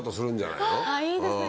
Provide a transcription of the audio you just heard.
いいですね。